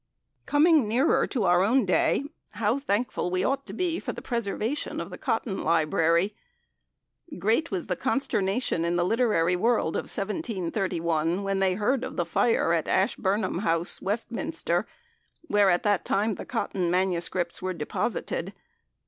Coming nearer to our own day, how thankful we ought to be for the preservation of the Cotton Library. Great was the consternation in the literary world of 1731 when they heard of the fire at Ashburnham House, Westminster, where, at that time, the Cotton MSS. were deposited.